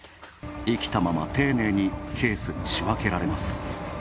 活きたまま丁寧にケースに仕分けられます。